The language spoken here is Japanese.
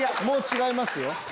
もう違いますよ。